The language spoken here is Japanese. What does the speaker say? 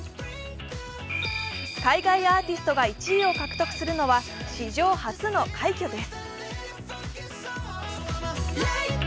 海外アーティストが１位を獲得するのは史上初の快挙です。